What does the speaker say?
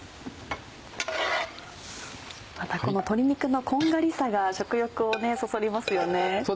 また鶏肉のこんがりさが食欲をそそりますよね。